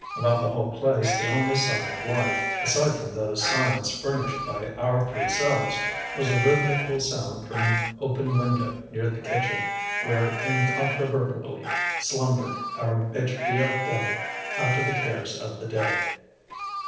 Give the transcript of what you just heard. About the whole place the only sign of life, aside from those signs furnished by our three selves, was a rhythmical sound from an open window near the kitchen, where incontrovertibly slumbered our maitre d'hotel after the cares of the day.